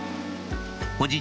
おじい